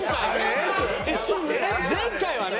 前回はね